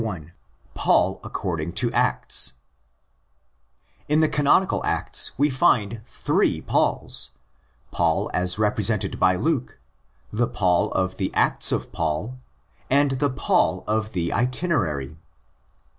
Section I. PAUL ACCORDING TO ACTS In the canonical Acts we find three Pauls: Paul as. represented by Luke; the Paul of the Acts of Paul ; and the Paul of the Itinerary.